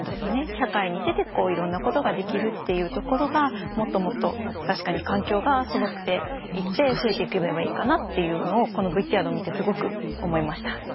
社会に出ていろんなことができるっていうところがもっともっと確かに環境がそろっていて増えていけばいいかなっていうのをこのＶＴＲを見てすごく思いました。